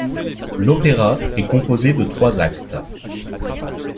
L'opéra est composé de trois actes.